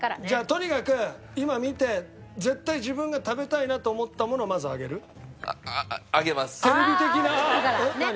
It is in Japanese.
じゃあとにかく今見て絶対自分が食べたいなと思ったものをまず上げる？